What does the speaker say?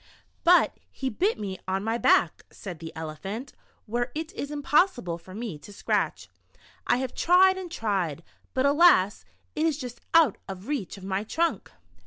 "But he bit me on my back," said the Ele phant, "where it is impossible for me to scratch. I have tried and tried, but alas, it is just out of reach of my trunk.